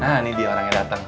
nah ini dia orangnya datang